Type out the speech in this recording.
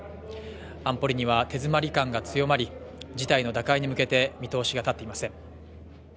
安保理には手詰まり感が強まり事態の打開に向けて見通しが立っていません